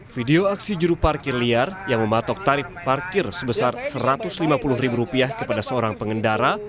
video aksi juru parkir liar yang mematok tarif parkir sebesar satu ratus lima puluh ribu rupiah kepada seorang pengendara